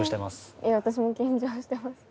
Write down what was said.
いや私も緊張してます。